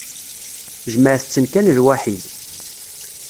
Jemɛet-ten kan lwaḥid.